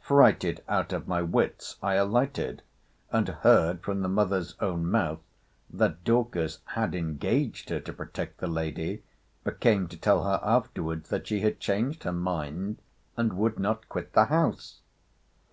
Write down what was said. Frighted out of my wits, I alighted, and heard from the mother's own mouth, that Dorcas had engaged her to protect the lady; but came to tell her afterwards, that she had changed her mind, and would not quit the house.